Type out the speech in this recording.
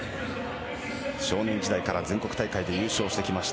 少年時代から全国大会で優勝してきました。